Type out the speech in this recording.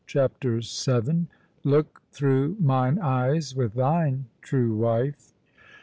" CHAPTER VII. '^ LOOK THROUGH MINE EYES WITH TIII:N"E, TRUE WIFE."